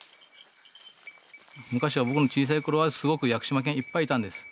昔は僕の小さい頃はすごく屋久島犬いっぱいいたんです。